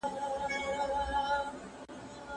څي د همزولو په خازو پريوزي